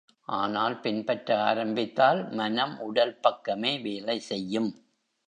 ஆனால் பின்பற்ற ஆரம்பித்தால் மனம், உடல் பக்கமே வேலை செய்யும்.